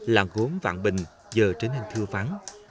làng gốm vạn bình giờ trở nên thưa vắng